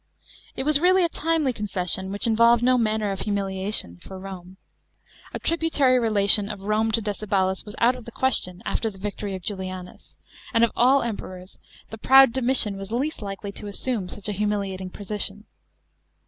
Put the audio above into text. It was really a timely concession, which involved no manner ot humiliation for Ro i e. A tributary relation of Rome to Decel>alus was out of the question alter the victory of Julianus ; and of all Emperors the proud Domitian was least likely to assume such a humiliating position.